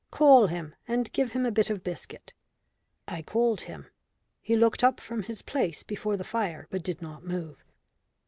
Call him and give him a bit of biscuit." I called him. He looked up from his place before the fire but did not move.